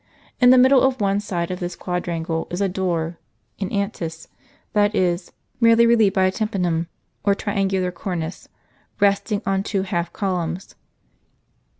In the middle of one side of this quadrangle is a door, in antis, that is, merely relieved by a tympanum or triangular cornice, resting on two half columns.